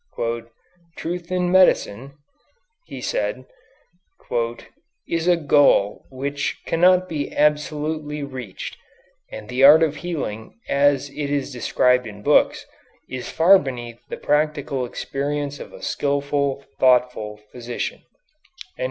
"Truth in medicine," he said, "is a goal which cannot be absolutely reached, and the art of healing, as it is described in books, is far beneath the practical experience of a skilful, thoughtful physician."